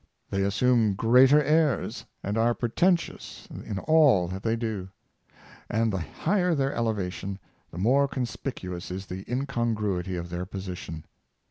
They assume greater airs, and are pretentious in all that they do; and the higher their elevation, the more conspicuous is the incongruity of their position.